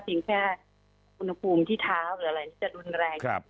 แค่อุณหภูมิที่เท้าหรืออะไรที่จะรุนแรง